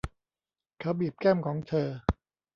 เขาบีบแก้มของเธอ